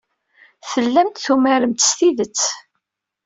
Tellamt tumaremt s tidet.